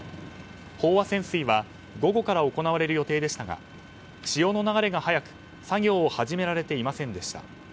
飽和潜水は午後から行われる予定でしたが潮の流れが速く作業を始められていませんでした。